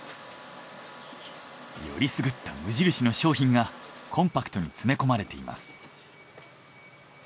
よりすぐった無印の商品がコンパクトに詰め込まれています。